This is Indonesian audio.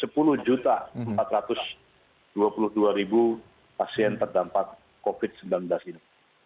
sekitar sepuluh empat ratus dua puluh dua pasien terdampak covid sembilan belas ini